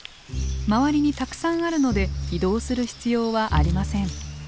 周りにたくさんあるので移動する必要はありません。